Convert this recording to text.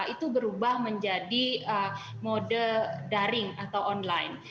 itu berubah menjadi mode daring atau online